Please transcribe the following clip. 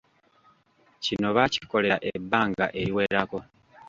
Kino baakikolera ebbanga eriwerako.